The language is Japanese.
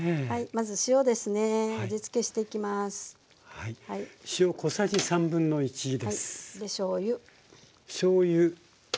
まず塩ですね味つけしていきます。でしょうゆ。